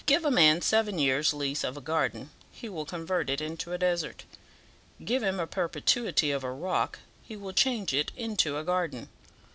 'Give a man a seven years' lease of a garden, he will convert it into a desert; give him a perpetuity of a rock, he will change it into a garden.'